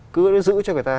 cứ giữ cho người ta